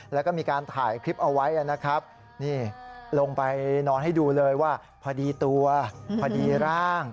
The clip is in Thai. แล้วก็มีการถ่ายคลิปเอาไว้นะครับนี่ลงไปนอนให้ดูเลยว่าพอดีตัวพอดีร่าง